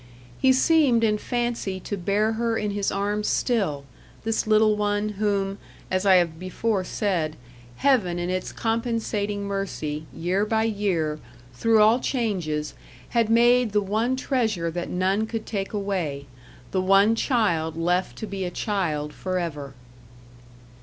He seemed in fancy to bear her in his arms still this little one, whom, as I have before said, Heaven in its compensating mercy, year by year, through all changes, had made the one treasure that none could take away the one child left to be a child for ever.